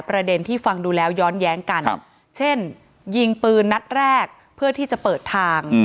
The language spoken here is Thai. ประเด็นที่ฟังดูแล้วย้อนแย้งกันเช่นยิงปืนนัดแรกเพื่อที่จะเปิดทาง